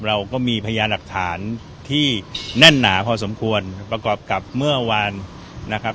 เราก็มีพยานหลักฐานที่แน่นหนาพอสมควรประกอบกับเมื่อวานนะครับ